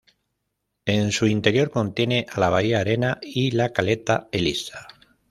En su interior contiene a la bahía Arena y la caleta Elisa.